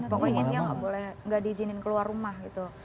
pokoknya enggak boleh enggak diizinin keluar rumah gitu